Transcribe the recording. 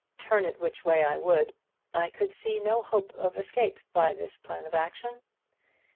Turn it which way I would, I could see no hope of escape by this plan of action.